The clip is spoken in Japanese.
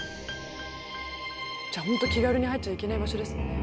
じゃあ本当気軽に入っちゃいけない場所ですね。